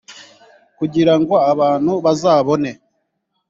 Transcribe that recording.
kugira ngo abantu bazabone